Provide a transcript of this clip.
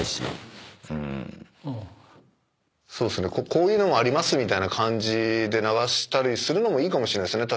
こういうのもありますみたいな感じで流すのもいいかもしれないですよね。